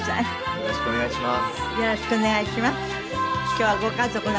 よろしくお願いします。